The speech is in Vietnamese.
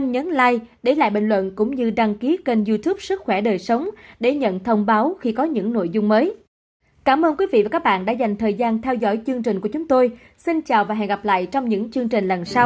hãy đăng ký kênh để nhận thông báo khi có những nội dung mới